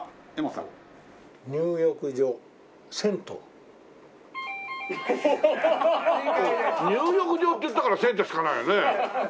「入浴場」って言ったから銭湯しかないよね。